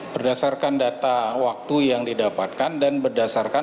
berdasarkan data waktu yang didapatkan dan berdasarkan